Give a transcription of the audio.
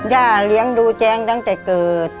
ย่าเลี้ยงดูแจงตั้งแต่เกิด